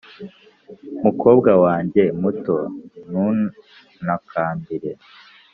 mukobwa wanjye muto, ntuntakambire